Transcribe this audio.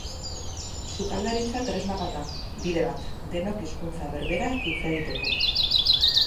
Sukaldaritza tresna bat da, bide bat, denok hizkuntza berbera hitz egiteko.